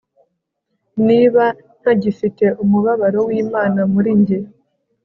niba ntagifite umubabaro w'imana muri njye